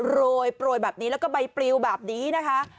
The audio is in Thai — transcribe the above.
โรยโปรยแบบนี้แล้วก็ใบปลิวแบบนี้นะคะ